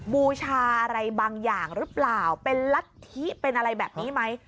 บูชาอะไรบางอย่างหรือเปล่าเป็นรัฐธิเป็นอะไรแบบนี้ไหม